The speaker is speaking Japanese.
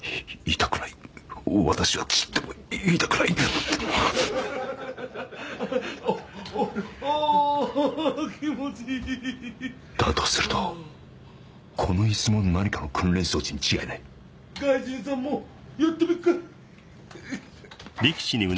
痛くないわ私はちっとも痛くないおおお気持ちいいだとするとこの椅子も何かの訓練装置に違いない外人さんもやってみっか？